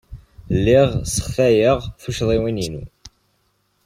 Lliɣ sseɣtayeɣ tuccḍiwin-inu.